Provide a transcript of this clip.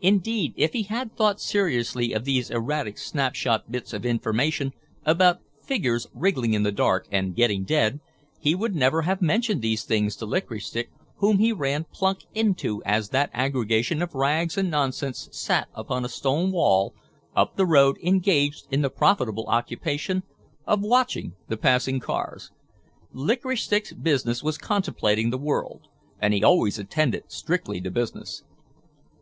Indeed, if he had thought seriously of these erratic snapshot bits of information about figures wriggling in the dark and "getting dead" he would never have mentioned these things to Licorice Stick whom he ran plunk into as that aggregation of rags and nonsense sat upon a stone wall up the road engaged in the profitable occupation of watching the passing cars. Licorice Stick's business was contemplating the world and he always attended strictly to business.